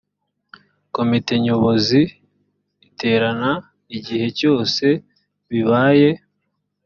komite nyobozi iterana ighe cyose bibaye